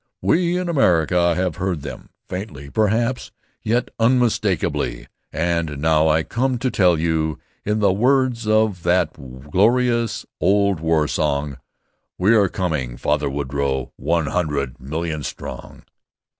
"We in America have heard them, faintly, perhaps, yet unmistakably, and now I come to tell you, in the words of that glorious old war song, 'We are coming, Father Woodrow, ONE HUN DRED MIL LION strong!'"